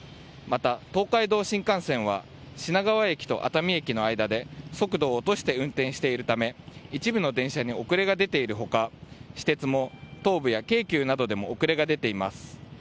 また、東海道新幹線は品川駅と熱海駅の間で速度を落として運転しているため一部の電車に遅れが出ている他、私鉄も東部や京急などでも遅れが出ています。